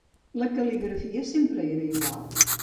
La cal·ligrafia sempre era igual?